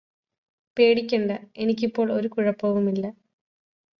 പേടിക്കണ്ട എനിക്കിപ്പോള് ഒരു കുഴപ്പവുമില്ല